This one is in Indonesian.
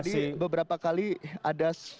tadi beberapa kali ada